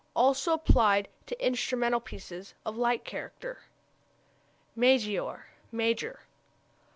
Also applied to instrumental pieces of like character. Maggiore major.